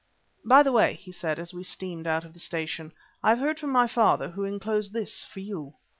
"By the way," he said, as we steamed out of the station, "I have heard from my father, who enclosed this for you."